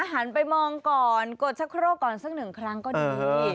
หันไปมองก่อนกดชะโครกก่อนสักหนึ่งครั้งก็ดี